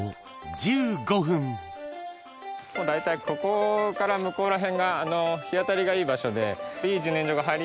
１５分大体ここから向こうらへんが日当たりがいい場所で。